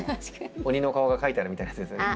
鬼の顔が書いてあるみたいなやつですよね。